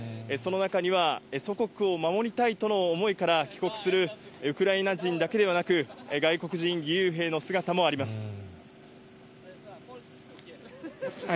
その中には、祖国を守りたいとの思いから帰国するウクライナ人だけではなく、外国人義勇兵の姿もあります。